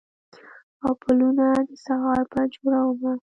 او پلونه د سهار پر جوړمه